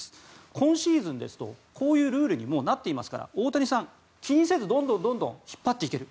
今シーズンですとこういうルールにもう、なっていますから大谷さん、気にせずどんどん引っ張っていける。